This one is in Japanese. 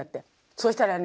そしたらね